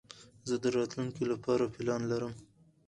زه د راتلونکي له پاره پلان لرم.